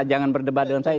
jangan berdebat dengan saya